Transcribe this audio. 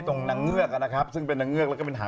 นางเงือกนะครับซึ่งเป็นนางเงือกแล้วก็เป็นหาง